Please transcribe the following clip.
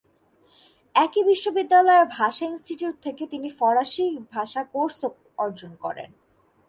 একই বিশ্ববিদ্যালয়ের ভাষা ইনস্টিটিউট থেকে তিনি ফরাসি ভাষা কোর্সও অর্জন করেন।